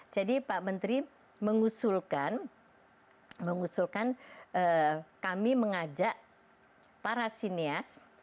jadi pak menteri mengusulkan kami mengajak para sinias